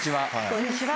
こんにちは。